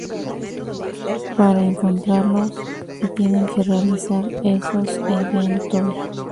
Para encontrarlos, se tienen que realizar esos eventos.